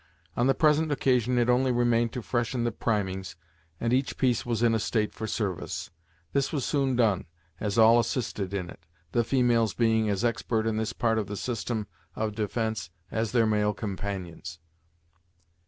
On the present occasion it only remained to freshen the primings, and each piece was in a state for service. This was soon done, as all assisted in it, the females being as expert in this part of the system of defence as their male companions.